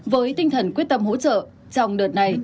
với tinh thần quyết tâm hỗ trợ trong đợt này